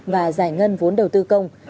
và giải ngân vốn đầu tư công